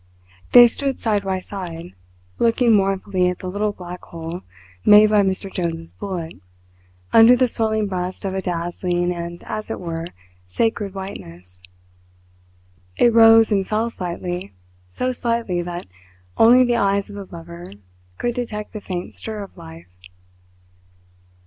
They stood side by side, looking mournfully at the little black hole made by Mr. Jones's bullet under the swelling breast of a dazzling and as it were sacred whiteness. It rose and fell slightly so slightly that only the eyes of the lover could detect the faint stir of life.